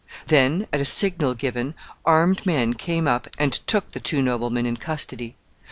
Then, at a signal given, armed men came up and took the two noblemen in custody.